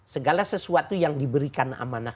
segala sesuatu yang diberikan amanah